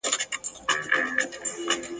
پر دې لار تر هیڅ منزله نه رسیږو ..